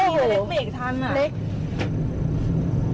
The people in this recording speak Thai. ไม่เล็กไปสิ